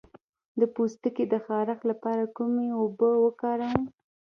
د پوستکي د خارښ لپاره کومې اوبه وکاروم؟